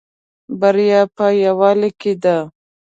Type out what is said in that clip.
بریا په یوالی کې ده